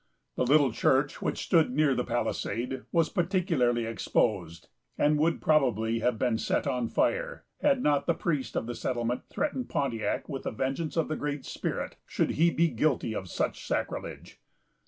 The little church, which stood near the palisade, was particularly exposed, and would probably have been set on fire, had not the priest of the settlement threatened Pontiac with the vengeance of the Great Spirit, should he be guilty of such sacrilege.